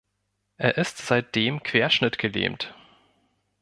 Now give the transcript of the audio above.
Er ist seitdem querschnittgelähmt.